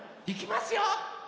いきますよ！